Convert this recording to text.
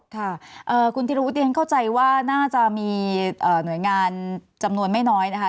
ค่ะคุณธิรวุฒิฉันเข้าใจว่าน่าจะมีหน่วยงานจำนวนไม่น้อยนะคะ